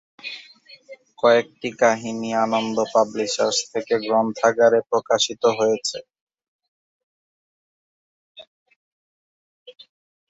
কয়েকটি কাহিনী আনন্দ পাবলিশার্স থেকে গ্রন্থাকারে প্রকাশিত হয়েছে।